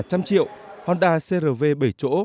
trăm triệu honda cr v bảy chỗ